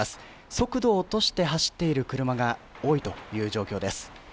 速度を落として走っている車が多いという状況です。